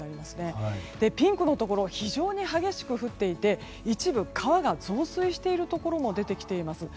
ピンクのところは非常に激しく降っていて一部、川が増水しているところも出てきています。